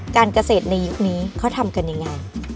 การเกษตรในยุคนี้เขาทำกันยังไง